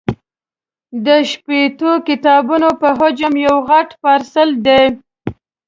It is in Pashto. د شپېتو کتابونو په حجم یو غټ پارسل دی.